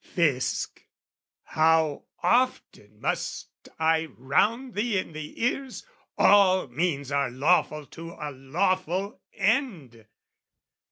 Fisc, How often must I round thee in the ears All means are lawful to a lawful end?